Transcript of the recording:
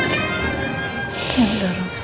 terima kasih ros